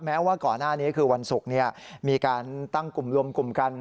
แม้ว่าก่อนหน้านี้คือวันศุกร์มีการตั้งกลุ่มรวมกลุ่มกัน